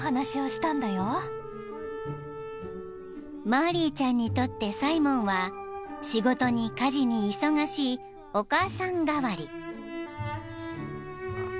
［マーリーちゃんにとってサイモンは仕事に家事に忙しいお母さん代わり］